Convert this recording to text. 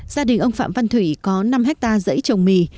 gia đình ông phạm văn thủy có năm hectare dãy trồng mì